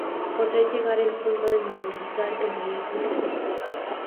Podría llegar al punto de inmovilizar el vehículo.